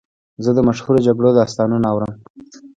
زه د مشهورو جګړو داستانونه اورم.